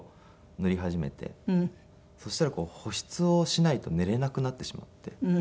そしたら保湿をしないと寝れなくなってしまって。